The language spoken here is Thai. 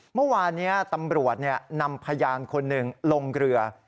เมื่อวานนี้ตำรวจนำพยานคนหนึ่งลงเรือ